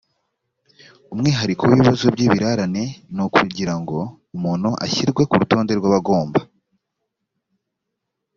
umwihariko w ibibazo by ibirarane ni uko kugira ngo umuntu ashyirwe ku rutonde rw abagomba